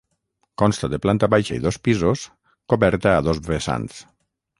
Consta de planta baixa i dos pisos, coberta a dos vessants.